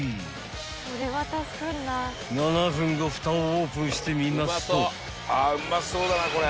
［７分後ふたをオープンしてみますと］